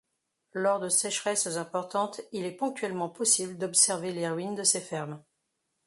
Lors de sécheresses importantes, il est ponctuellement possible d'observer les ruines de ces fermes.